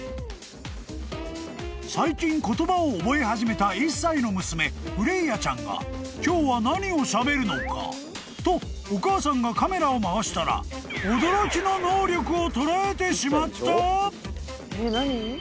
［最近言葉を覚え始めた１歳の娘フレイヤちゃんが今日は何をしゃべるのかとお母さんがカメラを回したら驚きの能力を捉えてしまった！？］